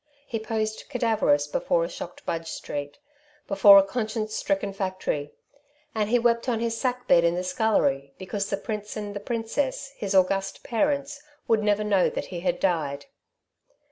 He posed cadaverous before a shocked Budge Street, before a conscience stricken factory; and he wept on his sack bed in the scullery because the prince and the princess, his august parents, would never know that he had died.